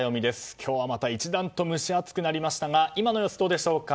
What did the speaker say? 今日はまた一段と蒸し暑くなりましたが今の様子はどうでしょうか？